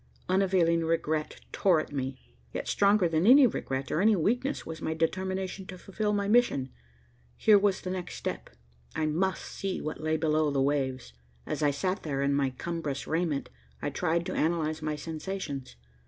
Unavailing regret tore at me. Yet stronger than any regret or any weakness was my determination to fulfil my mission. Here was the next step. I must see what lay below the waves. As I sat there, in my cumbrous raiment, I tried to analyze my sensations.